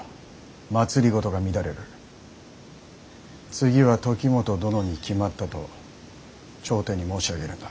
次は時元殿に決まったと朝廷に申し上げるんだ。